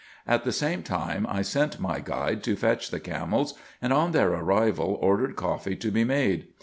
At the same time, I sent my guide to fetch the camels, and on their arrival ordered coffee to be made.